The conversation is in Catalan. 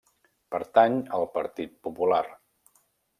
Pertany al Partit Popular.